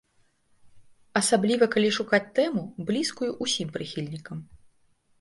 Асабліва калі шукаць тэму, блізкую ўсім прыхільнікам.